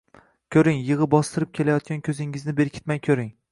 Koʻring, yigʻi bostirib kelayotgan koʻzingizni berkitmay koʻring.